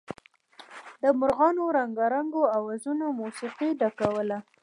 د مارغانو رنګارنګو اوازونو موسيقۍ ډکوله.